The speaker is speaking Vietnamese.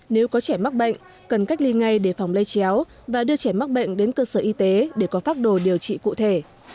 nếu có trẻ mắc bệnh cần cách ly ngay để phòng lây chéo và đưa trẻ mắc bệnh đến cơ sở y tế để có pháp đồ điều trị cụ thể